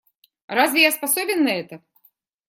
Разве я способен на это?